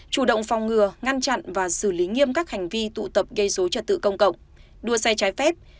chủ động phòng ngừa ngăn chặn và xử lý nghiêm các hành vi tụ tập gây số trật tự công cộng đua xe trái phép